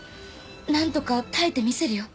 何とか耐えてみせるよ。